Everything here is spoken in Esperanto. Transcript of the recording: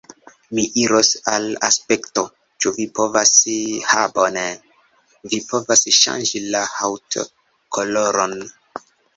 Mi iros al Aspekto. Ĉu mi povas... ha bone! Vi povas ŝanĝi la haŭtkoloron.